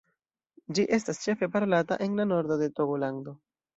Ĝi estas ĉefe parolata en la nordo de Togolando.